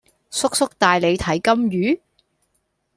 叔叔帶你睇金魚